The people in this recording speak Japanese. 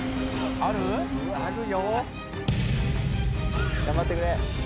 ・あるよ・頑張ってくれ。